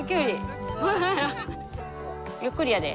ゆっくりやで。